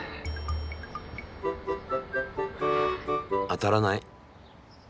当たらない。